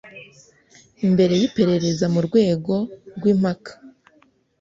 Mbere y iperereza mu rwego rw impaka